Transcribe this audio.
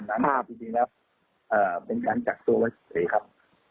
น้ำภาพจริงนะครับเป็นการจักรตัวว่าเฉยครับ